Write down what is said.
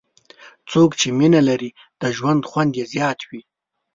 څوک چې مینه لري، د ژوند خوند یې زیات وي.